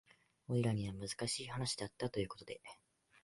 オイラには難しい話だったということで